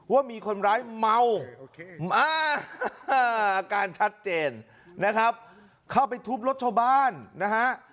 ว่ามีคนร้ายเมามาอาการชัดเจนนะครับเข้าไปทุบรถชาวบ้านนะฮะ